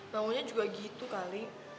maunya juga gitu kali